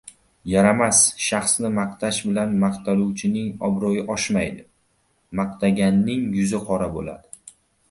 Yaramas shaxsni maqtash bilan maqtaluvchining obro‘yi oshmaydi, maqtaganning yuzi qora bo‘ladi.